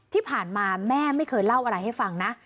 ที่ผ่านมาแม่ไม่เคยเล่าอะไรให้ฟังนะ